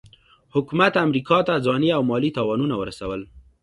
حکومت امریکا ته ځاني او مالي تاوانونه ورسول.